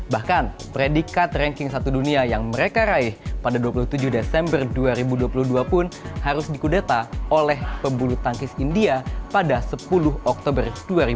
bahkan predikat ranking satu dunia yang mereka raih pada dua puluh tujuh desember dua ribu dua puluh dua pun harus dikudeta oleh pebulu tangkis india pada sepuluh oktober dua ribu dua puluh